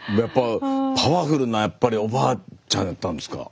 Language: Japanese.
パワフルなやっぱりおばあちゃんだったんですか？